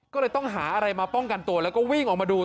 ก็เลยต้องหาอะไรมาป้องกันตัวแล้วก็วิ่งออกมาดู